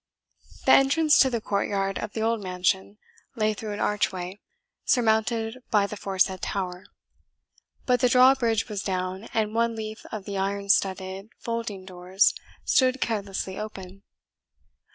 The entrance to the courtyard of the old mansion lay through an archway, surmounted by the foresaid tower; but the drawbridge was down, and one leaf of the iron studded folding doors stood carelessly open.